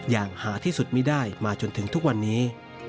อย่างหาที่สุดไม่ได้มาจนถึงทุกวันนี้